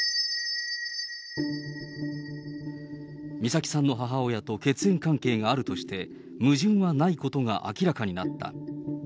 美咲さんの母親と血縁関係があるとして、矛盾はないことが明らかになった。